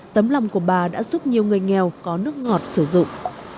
tấm lòng của bà đã giúp nhiều người nghèo có nước ngọt sử dụng